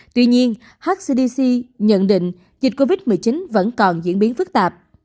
tuy nhiên hcdc nhận định dịch covid một mươi chín vẫn còn diễn biến phức tạp